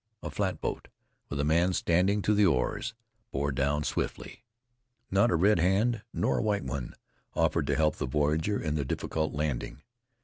A flatboat, with a man standing to the oars, bore down swiftly. Not a red hand, nor a white one, offered to help the voyager in the difficult landing.